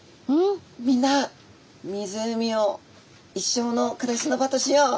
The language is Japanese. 「みんな湖を一生の暮らしの場としよう」。